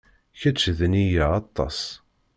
Kecc d nniya aṭas.